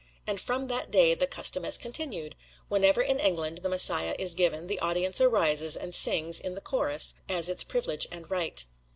And from that day the custom has continued: whenever in England the "Messiah" is given, the audience arises and sings in the "Chorus," as its privilege and right.